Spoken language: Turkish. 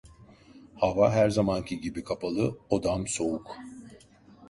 Hava her zamanki gibi kapalı; odam soğuk…